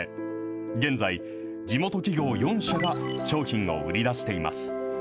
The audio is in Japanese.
現在、地元企業４社が商品を売り出しています。